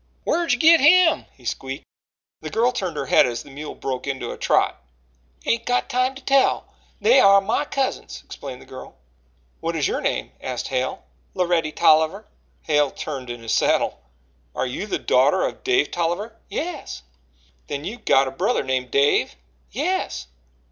"Whar'd you git him?" he squeaked. The girl turned her head as the mule broke into a trot. "Ain't got time to tell. They are my cousins," explained the girl. "What is your name?" asked Hale. "Loretty Tolliver." Hale turned in his saddle. "Are you the daughter of Dave Tolliver?" "Yes." "Then you've got a brother named Dave?" "Yes."